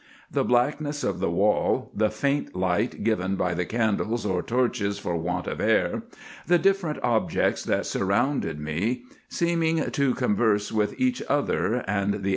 The blackness of the wall, the faint light given by the candles or torches for want of air, the different objects that surrounded me, seeming to converse with each other, and the IN EGYPT, NUBIA, &c.